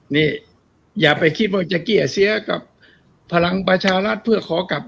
นี่อย่าไปคิดว่าจะเกลี้ยเสียกับพลังประชารัฐเพื่อขอกลับ